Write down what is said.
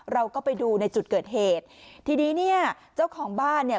เราก็ไปดูในจุดเกิดเหตุทีนี้เนี่ยเจ้าของบ้านเนี่ย